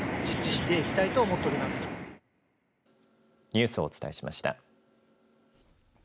ニュースをお伝えしました。